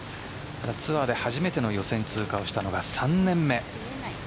ツアーで初めての予選通過をしたのが３年目。